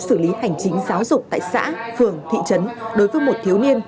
xử lý hành chính giáo dục tại xã phường thị trấn đối với một thiếu niên